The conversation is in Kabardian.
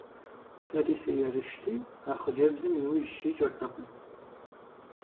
Сэри сыерыщти, а хъыджэбзым и ужь сикӀыртэкъым.